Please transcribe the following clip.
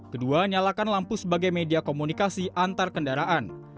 kedua nyalakan lampu sebagai media komunikasi antar kendaraan